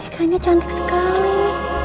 tikannya cantik sekali